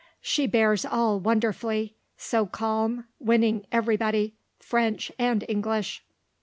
She bears all wonderfully so calm, winning everybody, French and English."